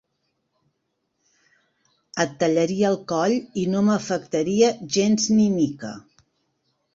Et tallaria el coll i no m'afectaria gens ni mica.